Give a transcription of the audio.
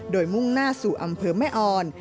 โดยมุ่งหน้าสู่อำเภอแม่อ่อน